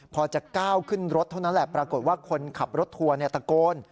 พอจะก้าวขึ้นรถเท่านั้นแหละปรากฏว่าคนขับรถทัวร์ตะโกน